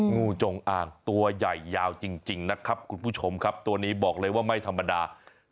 งูจงอ่างตัวใหญ่ยาวจริงนะครับคุณผู้ชมครับตัวนี้บอกเลยว่าไม่ธรรมดา